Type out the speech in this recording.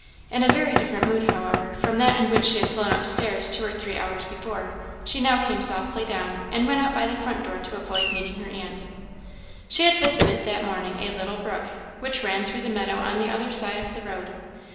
In a very different mood, however, from that in which she had flown up stairs two or three hours before, she now came softly down, and went out by the front door to avoid meeting her aunt. She had visited that morning a little brook, which ran through the meadow on the other side of the road.